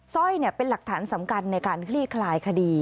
สร้อยเป็นหลักฐานสำคัญในการคลี่คลายคดี